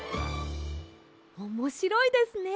おもしろいですね！